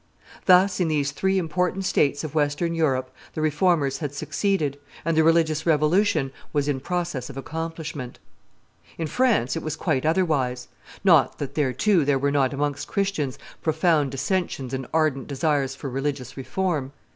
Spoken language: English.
Thus in these three important states of Western Europe the Reformers had succeeded, and the religious revolution was in process of accomplishment. [Illustration: The First Protestants 178] In France it was quite otherwise. Not that, there too, there were not amongst Christians profound dissensions and ardent desires for religious reform.